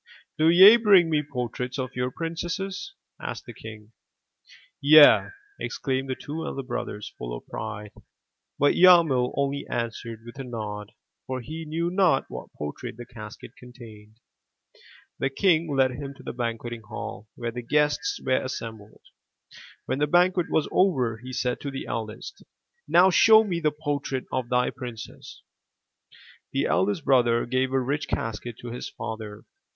"Do ye bring me portraits of your princesses?" asked the king. "Yea!" exclaimed the two elder brothers, full of pride. But Yarmil only answered with a nod, for he knew not what portrait the casket contained. 390 THROUGH FAIRY HALLS The king led them to the banqueting hall, where the guests were assembled. When the banquet was over, he said to the eldest: Now show me the portrait of thy princess." The eldest brother gave a rich casket to his father.